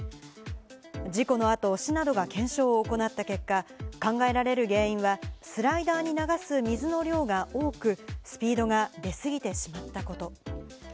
事故の後、市などが検証を行った結果、考えられる原因は、スライダーに流す水の量が多く、スピードが出過ぎてしまったこと。